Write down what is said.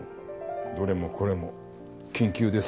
どれもこれも「緊急です。